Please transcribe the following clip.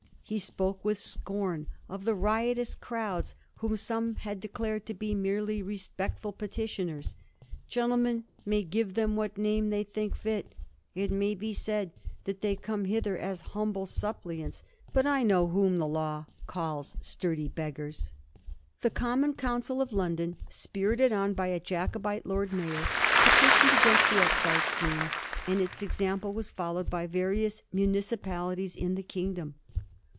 He spoke with scorn of the riotous crowds whom some had declared to be merely respectful petitioners. ^ Gentlemen may give them what name they think fit ; it may be said that they came hither as humble suppliants, but I know whom the law calls sturdy beggars.' The Common Council of London, spirited on by a Jacobite Lord Mayor, peti * tioned against the excise scheme, and its example was followed by various municipalities in the king dom.